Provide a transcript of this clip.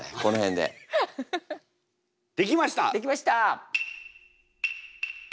できました！